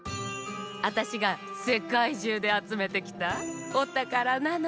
あたしがせかいじゅうであつめてきたおたからなの。